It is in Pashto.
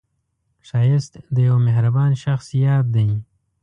ښایست د یوه مهربان شخص یاد دی